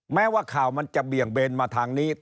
แม้ว่าข่าวมันจะเบี่ยงเบนมาทางนี้